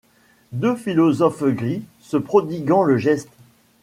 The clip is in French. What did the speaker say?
Deux philosophes gris, se prodiguant le geste